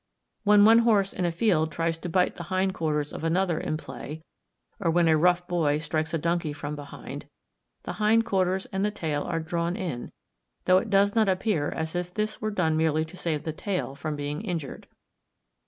When one horse in a field tries to bite the hind quarters of another in play, or when a rough boy strikes a donkey from behind, the hind quarters and the tail are drawn in, though it does not appear as if this were done merely to save the tail from being injured.